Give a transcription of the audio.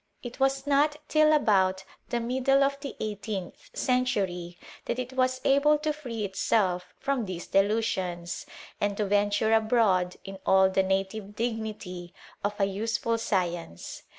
It was not till about the middle of the eighteenth century that it was able to free itself from these delusions, and to ven ture abroad in all the native dignity of a useful sci ence.